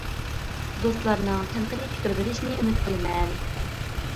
دوستلارنىڭ تەنقىدىي پىكىر بېرىشىنى ئۈمىدى قىلىمەن.